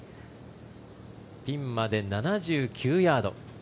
ピンまで７９ヤード。